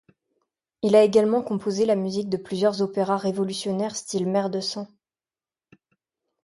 Il a également composé la musique de plusieurs opéras révolutionnaires style mer de sang.